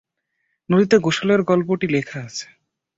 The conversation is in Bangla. নদীতে গোসলের গল্পটি লেখা আছে।